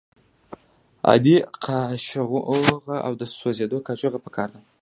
عادي قاشوغه او د سوځیدو قاشوغه پکار ده.